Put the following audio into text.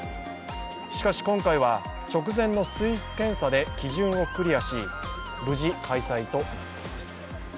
しかし、今回は直前の水質検査で基準をクリアし、無事、開催となっています。